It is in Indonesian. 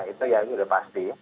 itu sudah pasti